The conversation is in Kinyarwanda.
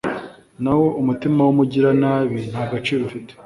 naho umutima w’umugiranabi nta gaciro ufite